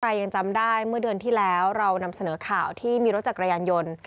ยังจำได้เมื่อเดือนที่แล้วเรานำเสนอข่าวที่มีรถจักรยานยนต์